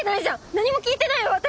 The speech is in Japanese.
何も聞いてない私！